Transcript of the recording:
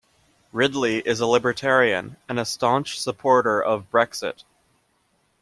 Ridley is a libertarian, and a staunch supporter of Brexit.